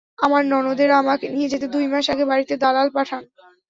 আমার ননদেরা আমাকে নিয়ে যেতে দুই মাস আগে বাড়িতে দালাল পাঠান।